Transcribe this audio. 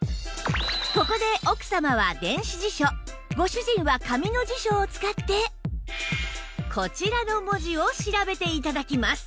ここで奥様は電子辞書ご主人は紙の辞書を使ってこちらの文字を調べて頂きます